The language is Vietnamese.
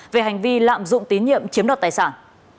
về hành vi lạm dụng tín nhiệm chiếm đoạt tài sản